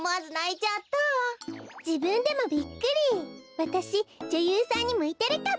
わたしじょゆうさんにむいてるかも。